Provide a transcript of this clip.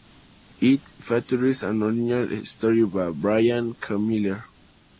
It features an original story by Bryan Q. Miller.